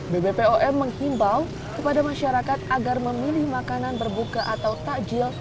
bbpom menghimbau kepada masyarakat agar memilih makanan berbuka atau takjil